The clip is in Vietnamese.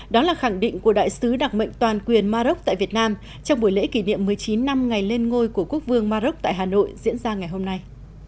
đó là khẳng định của đại sứ đặc mệnh toàn quyền maroc tại việt nam trong buổi lễ kỷ niệm một mươi chín năm ngày lên ngôi của quốc vương maroc tại hà nội diễn ra ngày hôm nay